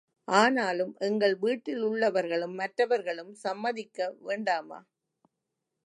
ஆனாலும் எங்கள் வீட்டிலுள்ளவர்களும் மற்றவர்களும் சம்மதிக்க வேண்டாமா?